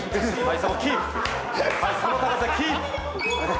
その高さキープ。